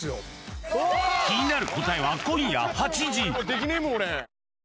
気になる答えは今夜８時。